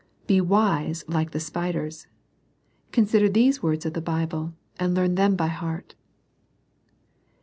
Be wise, like the spiders. Consider these words of the Bible, and learn them by heart.